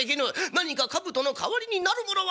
何か兜の代わりになるものはないか。